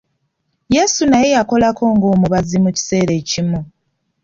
Yesu naye yakolako ng'omubazzi mu kiseera ekimu.